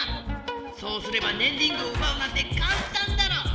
そうすればねんリングをうばうなんてかんたんだろ！